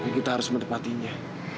tapi kita harus menepatinya